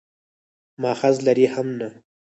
مأخذ لري هم نه.